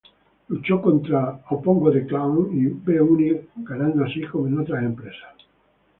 Luchó contra Pongo the Clown y V-unit ganando, así como en otras empresas.